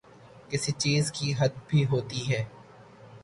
کسی چیز کی حد بھی ہوتی ہے۔